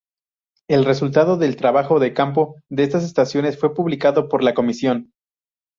El resultado del trabajo de campo de estas estaciones fue publicado por la comisión.